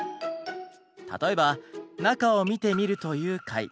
例えば「中を見てみる」という回。